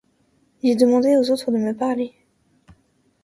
J'ai demandé aux autres de me parler.